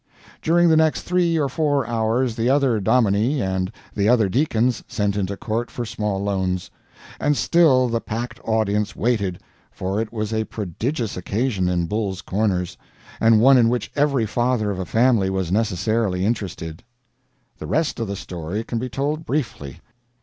] During the next three or four hours the other dominie and the other deacons sent into court for small loans. And still the packed audience waited, for it was a prodigious occasion in Bull's Corners, and one in which every father of a family was necessarily interested. The rest of the story can be told briefly.